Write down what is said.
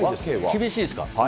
厳しいですか？